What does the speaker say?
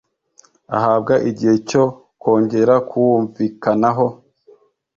ahabwa igihe cyo kongera kuwumvikanaho .